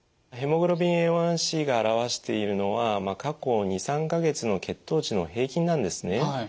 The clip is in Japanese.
ヘモグロビンＡ１ｃが表しているのは過去２３か月の血糖値の平均なんですね。